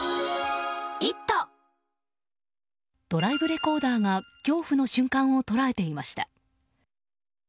ドライブレコーダーが恐怖の瞬間を捉えていました。